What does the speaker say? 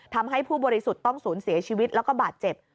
ทำให้ผู้บริสุทธิ์ต้องสูญเสียชีวิตแล้วก็บาดเจ็บ